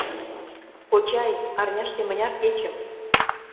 — Кочай, арняште мыняр кечым